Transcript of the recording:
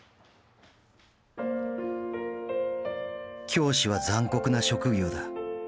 教師は残酷な職業だ。